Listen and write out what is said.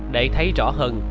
để thấy rõ hơn